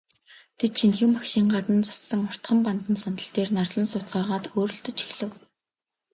Тэд, шинэхэн байшингийн гадна зассан уртхан бандан сандал дээр нарлан сууцгаагаад хөөрөлдөж эхлэв.